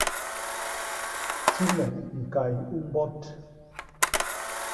Ti me ñkay u mbot.